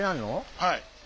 はい。